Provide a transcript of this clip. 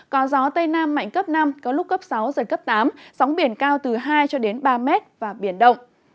có gió tây nam mạnh cấp năm có lúc cấp sáu giật cấp tám sóng biển cao từ hai cho đến ba mét và biển động